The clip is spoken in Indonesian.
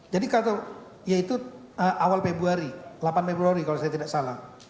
jadi kalau ya itu awal februari delapan februari kalau saya tidak salah